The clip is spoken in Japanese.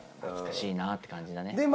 懐かしいなって感じだね。